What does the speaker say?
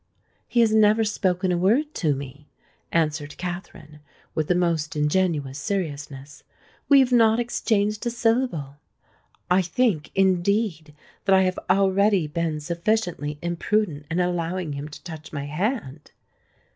"He has never spoken a word to me," answered Katherine, with the most ingenuous seriousness. "We have not exchanged a syllable. I think, indeed, that I have already been sufficiently imprudent in allowing him to touch my hand.